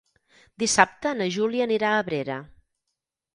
Dissabte na Júlia anirà a Abrera.